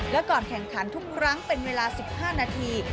และก่อนแข่งขันทุกครั้งเป็นเวลา๑๕นาที